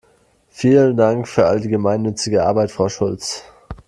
Vielen Dank für all die gemeinnützige Arbeit, Frau Schulz!